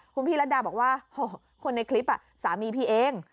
คุณพี่รัฐดาบอกว่าคนในคลิปสามีพี่เอง